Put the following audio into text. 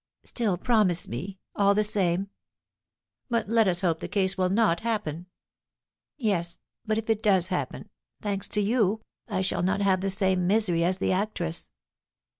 "Still promise me, all the same!" "But let us hope the case will not happen!" "Yes; but if it does happen thanks to you, I shall not have the same misery as the actress."